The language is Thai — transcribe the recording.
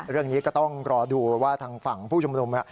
เรื่องนี้ก็ต้องรอดูว่าทางฝั่งผู้ชุมนุม